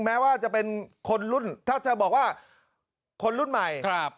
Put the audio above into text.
แม้ว่าจะเป็นคนรุ่นถ้าจะบอกว่าคนรุ่นใหม่ครับ